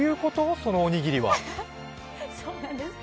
そのおにぎりは。